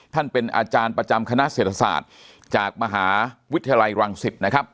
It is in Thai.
ท่านเป็นอาจารย์ประจำคณะเศรษฐศาสตร์จากมหาวิทยาลัยรังสิตนะครับ